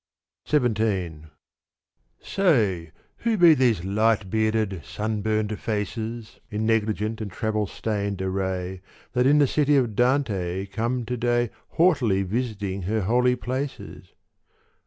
XVII Say who be these light bearded sunburnt faces In negligent and travel stained array That in the city of Dante come to day Haughtily visiting her holy places